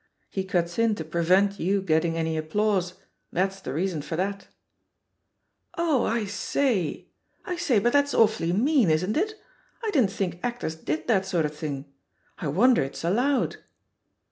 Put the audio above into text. He cuts in to pre vent you getting any applause. That's the rea^ son for that." 0h, I say I I say, but that's awfully mean, isn't it? I didn't think actors did that sort of thing. I wonder it's allowed."